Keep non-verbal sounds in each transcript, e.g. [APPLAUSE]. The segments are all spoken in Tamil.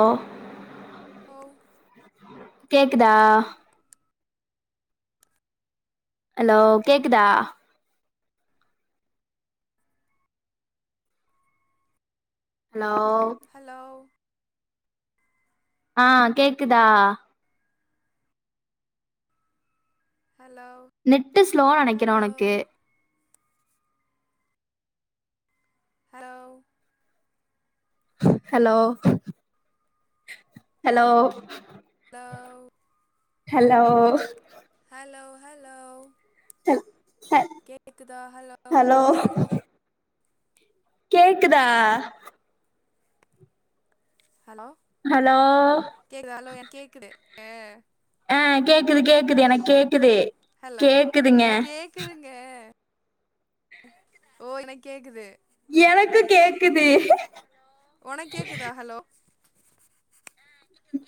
ஆஹ் ஓவ் கேக்குதா ஹலோ கேக்குதா ஹலோ ஹலோவ் ஆஹ் கேக்குதா நெட்டு ஸ்லோ நெனைக்கிறே உனக்கு ஹலோ ஹலோ ஹலோ ஹலோ ச ஹல் ஹலோ கேக்குதா ஹலோ ஹலோ ய ஆ கேக்குது கேக்குது எனக்கு கேக்குது ஹலோ கேக்குதுங்க எனக்கு கேக்குதுங்க ஓ என்ன கேக்குது எனக்கு கேக்குது உனக்கேக்குதா ஹலோ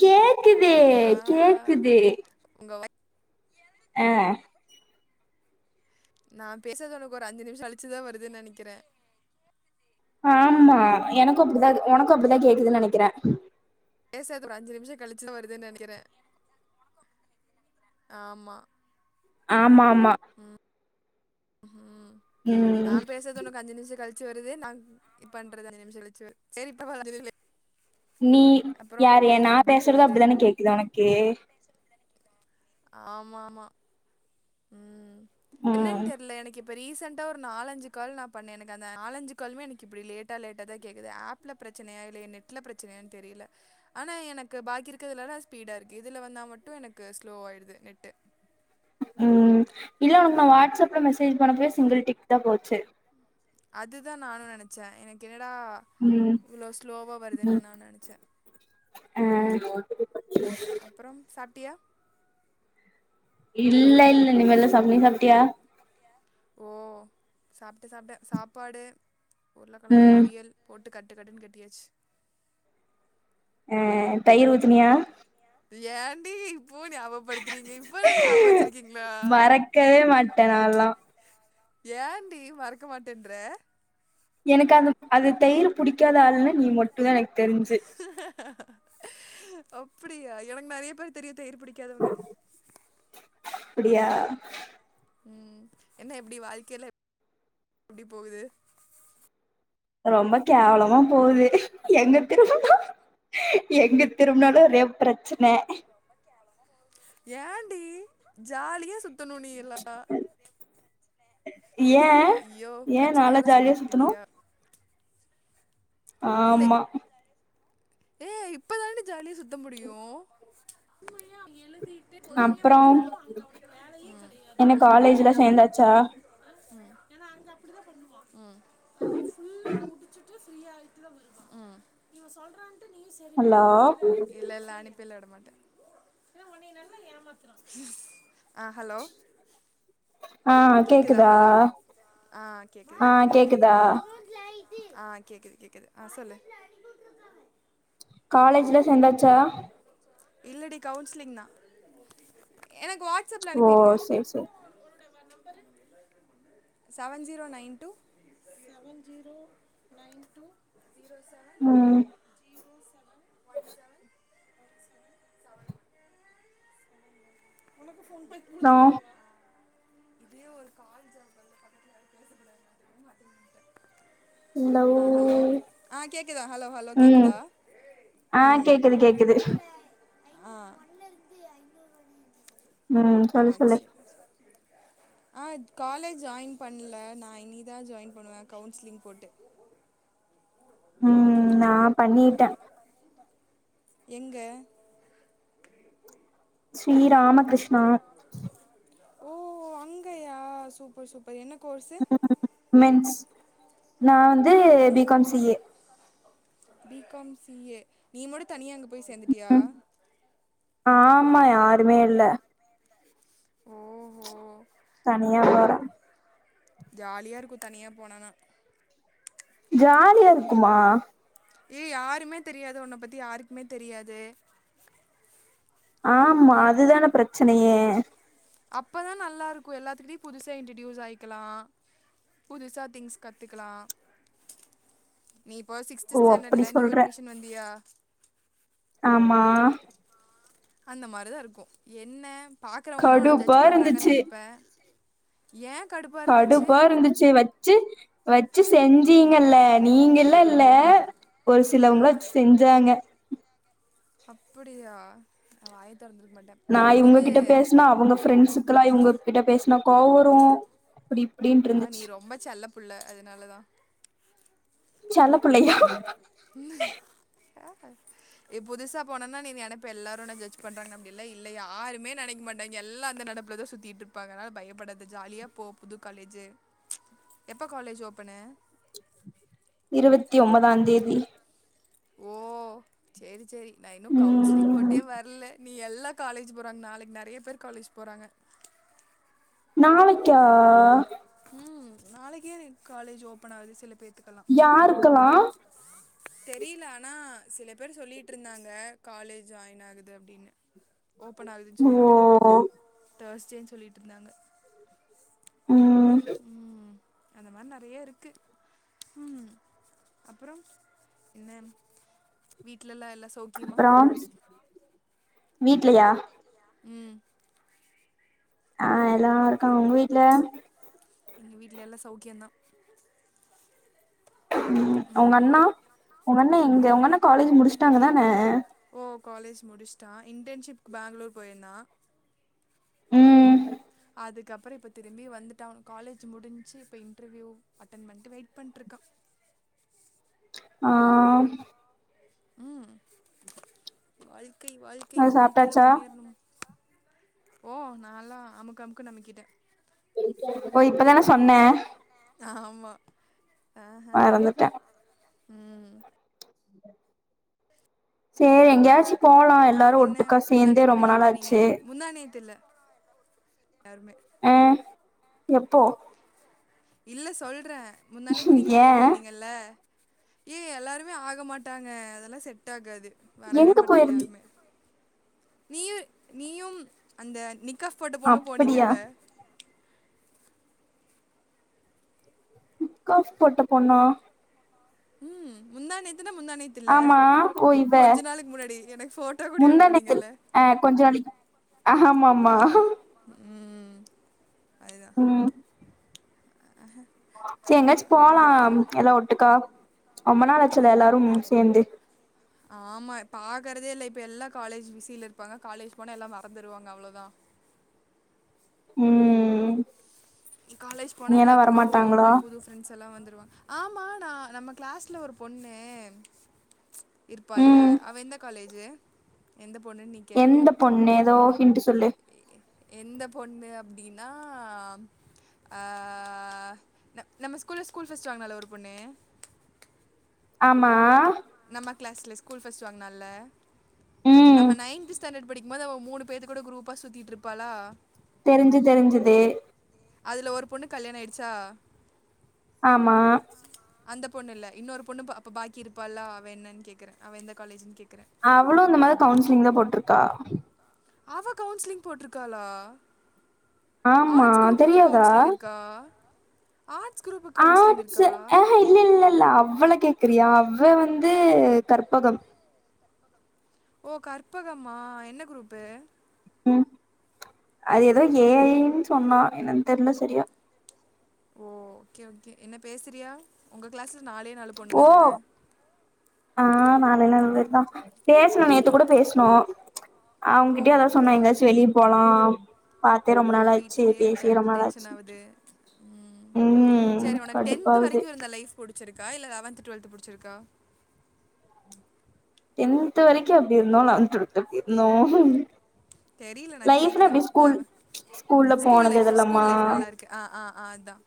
கேக் க்குது ஆ கேக்குது உங்க வாய் அ நா பேசறது உனக்கு ஒரு அஞ்சு நிமிஷோ கழிச்சுதா வருதுன் நெனக்கிறே ஆமா எனக்கு அப்டிதா இரு உனக்கு அப்படிதா கேக்குதுன் நெனக்கிறே பேசறது ஒரு அஞ்சு நிமிஷம் கழிச்சுதா வருதுன் நெனக்கிறே ஆமா ஆமா மா ம் நா பேசறது உனக்கு அஞ்சு நிமிஷம் கழிச் ச்சு வருது நா பண்றது அஞ்சு நிமிஷ கழிச்சு வரு சேரி இப்ப அஞ்சு நிமிஷ லேட் நீ யாரு ஏ நா பேசுறது போகுது அப்டிதானே கேக்குதா உனக்கு ஆமா ஆமா ம் ம் என்னன் தெர்ல எனக்கு இப் இப்ப ரீசண்ட்டா ஒரு நாலஞ்சு கால் நா பண்ணே எனக்கு அந்த நாலஞ்சு கால்மே எனக்கு இப்டி லேட்டா லேட்டா தா கேக்குது ஆப்புல பிரச்சனயா இல்ல எ நெட்ல பிரச்சனையான்னு தெரியில ஆனா எனக்கு பாக்கி இருக்கிறதுலலா ஸ்பீடா இருக்கு இதுல வந்தா மட்டு எனக்கு ஸ்லோவாயிடுது நெட்டு ம் இல்ல உனக்கு நா வாட்ஸ்அப்ல மெசேஜ் பண்ணப்பயே சிங்கிள் டிக் தா போச்சு அதுதா நானு நெனச்சே எனக்கு என்னடா ம் இவ்ளோ ஸ்லோவா வருதுன் ம் நா நெனச்சே ஆ ம் அப்புறோ சாப் டியா இல்ல இல்ல இனிமேல் தா சாப்டனு நீ சாப்ட்டியா ஓ சாப்டே சாப்டே சாப்பாடு உருளக்கெழங்கு ம் பொரியல் போட் ட்டு கட்டு கட்டுனு கட்டியாச்சு ஆஹ் தயிர் ஊத்துனியா ஏன்டி இப்போ ஞாபகப்படுத்துறீங்க இப்பல்லா ஞாபக வச்சிருக்கீங்களா மறக்கவே மாட்டே நால்லா ஏன்டி மறக்க மாட்டேன்ற எனக்கு அந்த அது தயிர் புடிக்காத ஆள்ன்ன நீ மட் டு தா எனக்கு தெரிஞ்சு அப்டியா எனக்கு நறைய பேர் தெரியது அப்டியா ம் என்ன எப்டி வாழ்க்கைல எப்டி போகுது ரொம்ப கேவ்லமா போகுது எங்க திரும்புனா எங்க திரும்புனாலு ஒரே பிரச்சன ஏண்டி ஜாலியா சுத்துணு நீயெல்லா ஏ ஏ நாலா பிரச்சனையால ஜாலியா சுத்தனு சூழப்பட்டிடியா இல்லை ஆமா ஏ இப்பதான்டி ஜாலியா சுத்த முடியு அப்றோம் என்ன காலேஜ்லா சேந்தாச்சா உம் அஹ் ஃபுல்லா முடிச்சிட்டு உம் ஹலோ இல்ல இல்ல அனுப் பிளா விட மாட்ட ஆ ஹலோ கேக்குதா ஹலோ ஆஹ் கேக்குது ஆ கேக்குது கேக்குதா ஆஹ் கேக்குது கேக்குது ஆஹ் சொல்லு காலேஜ்லெ சேந்தாச் சா இல்லடி கவுன்ஸ்லிங் தா எனக் வாட்ஸ்செப்ல ஓ அனுப்பிருங்க சேரி சேரி செவன் ஜீரோ நைன் டு உம் ஒனக்கு ஃபோன் அப்றோ இதே ஒரு காலேஜ் [UNINTELLIGIBLE] இந்தா ஊ கேக்குதா ஹலோ ஹலோ உம் கேக்குதா ஆஹ் கேக்குது கேக்குது ஆஹ் ம் சொல்லு சொல்லு ஆஹ் காலேஜ் ஜாயின் பண்ல நா இன்னிக்தா ஜாயின் பண்ணுவே கவுன்ஸ்லிங் போட்டு உம் நா பண்ணீட்ட எங்க ஸ்ரீ ராமகிருஷ்ணா ஓ அங்கயா சூப்பர் சூப்பர் என்னக் [INAUDIBLE] மென்ஸ் நான் ந்து B com C A B com C A நீ மட்டு தனியா அங்கப் போய் சேந்துட்டியா ம் ஆமா யாருமே இல்ல ஓஹோ ப்ச் தனியா போற [INAUDIBLE] ஜாலியா இருக்கு தனியா போனனா ஜாலியா இருக்குமா ஏய் யாருமே தெரியாது உன்ன பத்தி யாருக்குமே தெரியாது ஆமா அதுதான பிரச்சனையே அப்பதா நல்லா இருக்கு எல்லாத்துக்கிட்டயு புதுசா இன்ட்ரடியூஸ் ஆயிக்கலா புதுசா திங்ஸ் கத்துக்குலா நீ இப்போ சிக்ஸ்த் ஓ அப்படி ஸ்டாண்டர்டுல நியூ சொல்ற அட்மிஷன் வந்தியா ஆமா அந்த மாரிதா இருக்கு என்ன பாக்குறவங்களா உன்ன கடுப்பா ஜட்ஸ் பண்றாங்கன்னு இருந்துச்சு நெனப்ப கடுப்பா இருந்துச்சு வச்சு வச்சு செஞ்சீங்கல்ல நீங்கல்ல இல்ல ஒரு அ சிலவங்கள வச் செஞ்சாங்க அப்புடியா நா வாய தொறந்திருக்க மாட்டே நா இவங்ககிட்ட இது பேசுனா அவங்க ஃப்ரெண்ட்ஸுக்கெல்லா இவங்க கிட்ட பேசினா கோவ் வரு அப்டி இப்டினு ஆ நீ இருந்துச்சு ரொம்ப செல்ல புள்ள அதனாலதா செல்ல பிள்ளையா இ நீ புதுசா போனனா நீ நினப்ப எல்லாரு ஒன்ன ஜட்ஜ் பண்றாங்க அப்டிலா இல்ல யாருமே நெனைக் மாட்டாங்க எல்லா அந்த நனப்புலதா சுத்திட்டு இருப்பாங்க அதனால பயப்படாத ஜாலியா போ புது காலேஜு ம்ச் எப்ப காலேஜ் ஓஃபனு இருவத்தி ஒன்பதாந் தேதி ஓ சேரி செரி நா இன்னு கவுன்சிலிங் ம் போட்டே வர்ல நீ எல்லா காலேஜ் போறாங்க நாளைக்கு நெறய பேர் காலேஜ் போறாங்க நாளைக்கா ம் நாளைக்கே காலேஜ் ஓஃபன் ஆகுது சில பேர்த்துக்கெல்லாம் யாருக்கலாம் தெரியல ஆனா சில பேர் சொல்லிட்டு இருந்தாங்க காலேஜ் ஜாயின் ஆகுது அப்டின்னு ஓபன் ஆகுதுன்னு ஓ சொல்லிட்டு ச்சேன்னு சொல்லிட்டு இருந்தாங்க உம்ம் ம் அந்த மாரி நறைய இருக்கு உஹம் அப்புரோ என்ன வீட ட்லல்ல எல்லா சோக்கியமா வீட்லையா உம் ஆஹ் எல்லா இருக்காங்க உங்க வீட்டு்ல எங்க வீட்டில எல்லா சௌகியந்தா உம் உங்க அண்ணா உங்க அண்ணா எங்க உங்கண்ண காலேஜ் முடிச்சுட்டாங்க தா ஓ காலேஜ் முடிச்சுட்டா இன்டர்ன்ஷிப் பெங்களூர் போயிருந்தா உம் அதுக்கப்ரோ இப்போ திரும்பி வந்துட்டா காலேஜ் முடிஞ்சு இப்போ இன்ட்ரவியூ அட்டென் பண்ட்டு வெயிட் பண்ட்ருக்கா ஆம் உம் வாழ் க்கை வாழ்க்கை அது வாழ்க்கைல சாப்ட்டாச்சா முன்னேறனும் ஓ நாலா அமுக்கு அமுக்குனு அமுக்கிட்ட ஓ இப்பதான சொன்ன ஆமா ஆஹா மறந்துட்ட ம் சேரி எங்கேயாச்சு அப்ரோம் என்ன முந்தானேத்து வெளிய போனீங்க நாளாச்சு முந்தானேத்தில்ல யாருமே ஆ எப்போ இல்ல சொல்ற முந்தானேத்து நீங்க ஏ வெளிய போயிருந்தீங்கல்ல ஏ எல்லாருமே ஆக மாட்டாங்க அதெல்லா செட்டாகாது வரவே எங்க மாட்டாங் போயிரு யாருமே நீயு நீயும் அந்த நிக் க்கஃப் போட் பொண்ணு அப்படியா போனீங்கல்ல முக்காஃப் போட்ட பொண்ணா ம் முந்தானேத் ஆமா ஓ இவ நாளுக்கு முன்னாடி எனக்கு ஃபோட்டோ கூட முந்தானேத்து அனுப்புனீங்கல்ல அஹ் கொஞ்ச நாளிக் ஆமாம ஆம் ம் அதுதா உம் சரி எங்கயாச்சும்போலாம் எல்லா ஒட்டுக்கா ரொம்ப நாளாச்சுல இன் எல்லாரும் சேந்து ஆமா பாக்கறதே இல்ல இப்ப எல்லா காலேஜ் பிசியில இருப்பாங்க காலேஜ் போனா எல்லா மறந்துருவாங்க அவ்ளோதாநல ம் காலேஜ் போனா ஏனா எல்லாத்துக்கு வரமாட்டாங்களா அவங்கவுங்க புது ஃப்ரெண்ட்ஸ் எல்லா வந்துருவாங் ஆமா நா நம்ம கிளாஸ்ல ஒரு பொண்ணு ப்பால ம் அவ எந்த காலேஜு எந்த பொண்ணுன்னு நீ கே்கணு எந்த பொண்ணு ஏதோ ஹின்ட்டு சொல்லு எந்த பொண்ணு அப் டின்னா ஆ ந நம்ம ஸ்கூல ஸ்கூல் ஃபர்ஸ்ட் வாங்னால ஒரு பொண்ணு ஆமா நம்ம கிளாஸ்ல ஸ்கூல் ஃபஸ்ட் வாங்னால ம் நம்ம நைன்த் ஸ்டாண்டர்ட் படிக் மொதவ மூனு பேத்து கூட குரூப்பா சுத்திட்டுருப்பாளா தெரிஞ்சு தெரிஞ்சுது அதுல ஒரு பொண்ணு கல்யாண ஆயிச்சா ஆமா அந்த பொண்ணு இல்ல இன்னொரு பொண்ணு அப்ப பாக்கி இருப்பால அவ என்னன்னு கேக்குற அவ எந்த காலேஜ்ன்னு அவளும் இந்த மாதிரி கவுன்சிலிங் தா போட்ருக்கு கக்கா அவ கவுன்சிலிங் போட்டுருக்காளா ஆமா ஆர்ட்ஸ் குரூப்குலா கவுன்சிலிங் இருக்கா ஆர்ட்ஸ் குரூப்புக்கு கவுன்சிலிங் ஆர்ட்சு இருக்கா ஆஹெ இல்ல இல்ல இல்ல அவ்வளக் தெரியா அவ வந்து கற்பகம் ஓ கற்பகம்மா என்ன குரூப்பு? ம் அது ஏதோ ஏ அய் னு சொன்னா என்னன்னு தெர்ல சரியா. ஓ ஓகே ஓகே என்ன பேசுறியா உங்க கிளாஸ் ஓ ஆ நாலே நாலு பேர் தா பேசுனோ நேத்து கூட பேசுனோ. ஓ அவங்கிட்டையு அதா சொன்ன எங்காச்சு வெளிய போலா. பாத்தே ரொம்ப ஆ நாள் ஆச்சு வீட்லே இருக்க பேசியே ரொம்ப நாள் டென்ஷன் ஆச்சு ஆவுது ம் ம் செரி உனக்கு டென்த் கடுப்பாவுது வரைக்கு இருந்த லைஃப் புடிச்சிருக்கா இல்ல லெவன்த் டுவெல்த்து புடிச்சிருக்கா? டென்த் வரைக்கு அப்டி இருந்தோ லெவன்த்து [UNINTELLIGIBLE] இருந்தோ தெரியல நான் லைப்ல எப்டி கேட்குறேன் ஸ்கூல் லெவன் ஸ்கூல்ல ஸ்கூல் போனது லைஃப் இதெலம்மா ஸ்கூல் லைஃப் நல்லா இருக்கு ஆ ஆ ஆ அதான்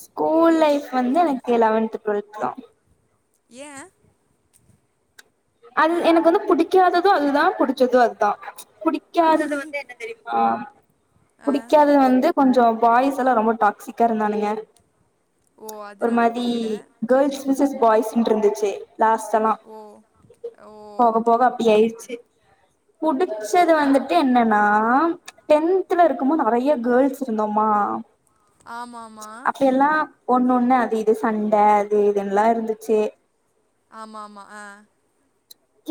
ஸ்கூல் லைஃப் வந்து ஏ லெவன்த் டுவெல்த் தா ஏ அது எனக்கு வந்து புடிக்காதது அதுதா புடிச்சது அதுதா. புடிக்காதது வந்து என்ன தெரியுமா பு ஆ டிக்காதது வந்து. கொஞ்ச பாய்ஸ் எல்லா ரொம்ப டாக்சிக்கா இருந்தானுங்க. ஓ ஒரு அதனால மாதி பிடிக்கல கேர்ள்ஸ் பினவிஸ் வாய்சுந்திருந்துசி லாஸ்ட அனா ஓ ஓ போக போக அப்டி ஆயிடுச்சு புடிச்சது வந்துட்டு என்னன்னா! டென்துல இருக்கும்போது நெறைய கேர்ள்ஸ் இருந்தோமா. ஆமாமான் ஒன்னொன்னும் அது இது சண்டை அது இதுன்லாம் இருந்துச்சு. ஆமா ஆமா ஆன்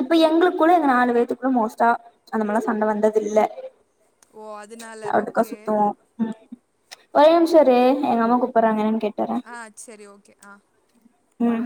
இப்ப எங்களுக்குள்ள எங்க நாலு பேத்துக்குள்ள மோஸ்ட்டா அந்த மாறிலா சண்டை வந்தது இல்ல. ஓ அதனால அட்டுக்கா ஓகே சுத்துவோம் உம் ஒரே நிமிஷம் ஓ இரு எங்க அம்மா கூப்பிடுறாங்க என்னன்னு கேட்டு வரன். ஆ சரி ஓகே ஆ உம்